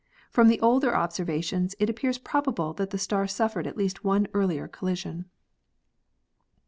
From the older observations it appears probable that the star suffered at least one earlier collision.